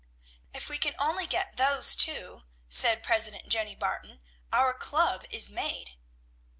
"If we can only get those two," said President Jenny Barton, "our club is made."